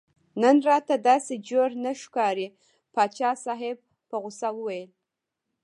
نن راته داسې جوړ نه ښکارې پاچا صاحب په غوسه وویل.